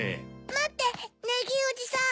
まってネギーおじさん。